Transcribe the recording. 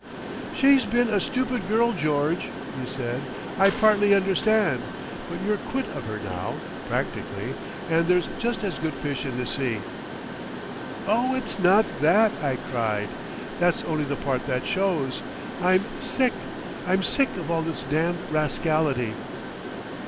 "She's been a stupid girl, George," he said; "I partly understand. But you're quit of her now, practically, and there's just as good fish in the sea—" "Oh! it's not that!" I cried. "That's only the part that shows. I'm sick—I'm sick of all this damned rascality."